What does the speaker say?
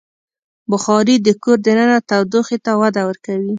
بخاري د کور دننه تودوخې ته وده ورکوي.